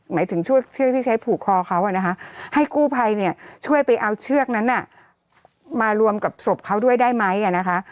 หมายถึงเชือกที่ใช้ผูกคอเขานะคะให้กู้ภัยเนี่ยช่วยไปเอาเชือกนั้นมารวมกับศพเขาด้วยได้ไหมนะคะ